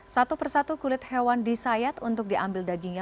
satu persatu kulit hewan disayat untuk diambil dagingnya